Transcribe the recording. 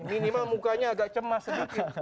minimal mukanya agak cemas sedikit